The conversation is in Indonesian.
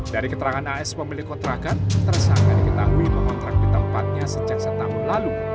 dari keterangan as pemilik kontrakan tersangka diketahui mengontrak di tempatnya sejak setahun lalu